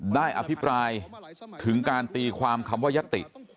อภิปรายถึงการตีความคำว่ายติ